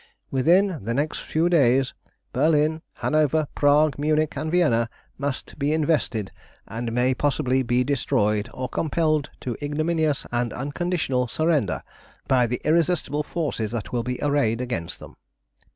"Within the next few days, Berlin, Hanover, Prague, Munich, and Vienna must be invested, and may possibly be destroyed or compelled to ignominious and unconditional surrender by the irresistible forces that will be arrayed against them.